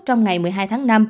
trong ngày một mươi hai tháng năm